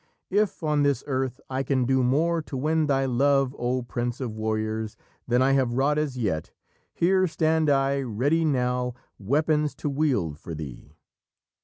If on this earth I can do more to win thy love, O prince of warriors, than I have wrought as yet, Here stand I ready now weapons to wield for thee.